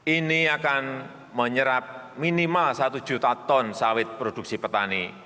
ini akan menyerap minimal satu juta ton sawit produksi petani